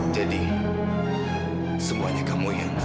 jadi semuanya kamu yang